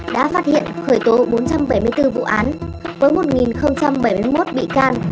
đã phát hiện khởi tố bốn trăm bảy mươi bốn vụ án với một bảy mươi một bị can